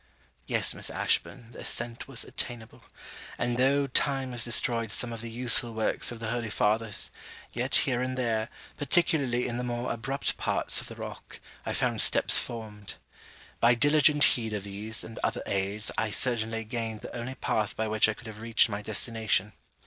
Yes, Miss Ashburn, the ascent was attainable; and, though time has destroyed some of the useful works of the holy fathers, yet here and there, particularly in the more abrupt parts of the rock, I found steps formed. By diligent heed of these, and other aids, I certainly gained the only path by which I could have reached my destination.